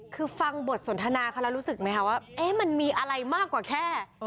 คือฟังบทสนทนาเขาแล้วรู้สึกไหมคะว่ามันมีอะไรมากกว่าแค่